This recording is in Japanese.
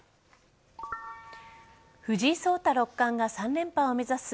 藤井聡太六冠が３連覇を目指す